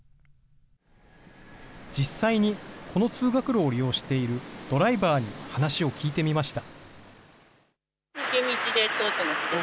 実際に、この通学路を利用しているドライバーに話を聞いてみました。